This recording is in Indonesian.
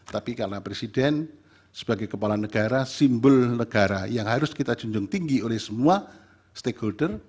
tapi karena presiden sebagai kepala negara simbol negara yang harus kita junjung tinggi oleh semua stakeholder